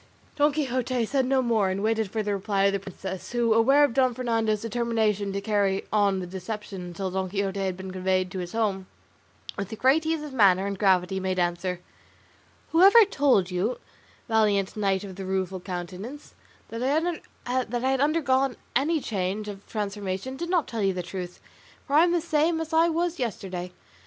Don Quixote said no more, and waited for the reply of the princess, who aware of Don Fernando's determination to carry on the deception until Don Quixote had been conveyed to his home, with great ease of manner and gravity made answer, "Whoever told you, valiant Knight of the Rueful Countenance, that I had undergone any change or transformation did not tell you the truth, for I am the same as I was yesterday.